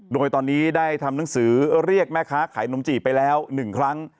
โดยตอนนี้ได้ทำหนังสือเรียกแม่ค้าขายนมจีบไปแล้ว๑ครั้ง